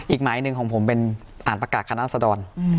อีกหมายหนึ่งของผมเป็นอ่านประกาศคณะสดร